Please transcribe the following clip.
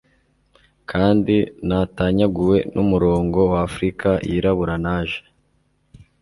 Kandi natanyaguwe numurongo wa Afrika Yirabura Naje